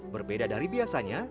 berbeda dari biasanya